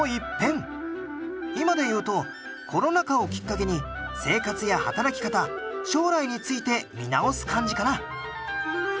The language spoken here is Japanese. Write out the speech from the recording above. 今で言うとコロナ禍をきっかけに生活や働き方将来について見直す感じかな。